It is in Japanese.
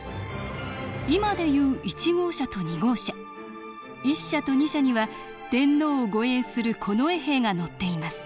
今でいう１号車と２号車一車と二車には天皇を護衛する近衛兵が乗っています